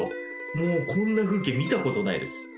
もうこんな風景見た事ないです。